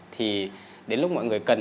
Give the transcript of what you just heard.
thì đến lúc mọi người cần